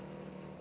nggak ada pakarnya